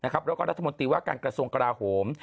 แล้วก็รัฐมนตรีว่าการกระทรวงกราโหม